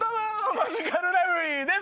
マヂカルラブリーです。